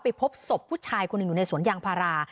พบศพผู้ชายคนหนึ่งอยู่ในสวนยางพารา